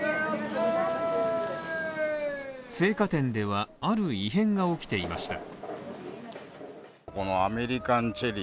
青果店では、ある異変が起きていました。